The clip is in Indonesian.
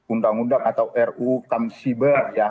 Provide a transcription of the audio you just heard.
undang undang atau ru kamsiber ya